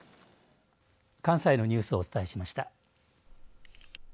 関西のニュースをお伝えしました。